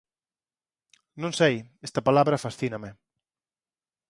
Non sei, esta palabra fascíname.